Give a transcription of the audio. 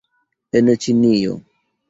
- En Ĉinio